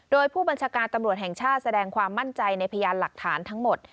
โดยผู้บัญชาการตำรวจแห่งชาติแสดงความมั่นใจในพยานหลักฐานทั้งหมด